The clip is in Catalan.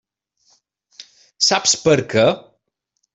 Saps per què?